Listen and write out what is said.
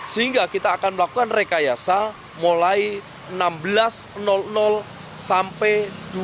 sehingga kita akan melakukan rekayasa mulai enam belas sampai dua puluh dua